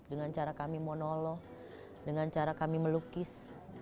dengan cara kami monolog dengan cara kami melukis